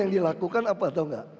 yang dilakukan apa atau enggak